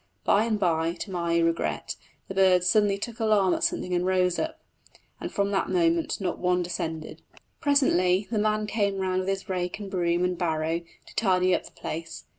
By and by, to my regret, the birds suddenly took alarm at something and rose up, and from that moment not one descended. Presently the man came round with his rake and broom and barrow to tidy up the place.